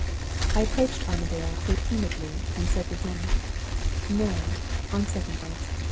"I approached Armadale good humoredly, and said to him: "No! On second thoughts.